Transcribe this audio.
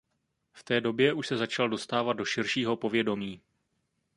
V té době už se začal dostávat do širšího povědomí.